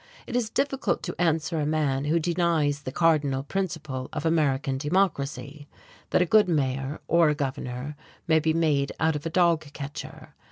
It is difficult to answer a man who denies the cardinal principle of American democracy, that a good mayor or a governor may be made out of a dog catcher.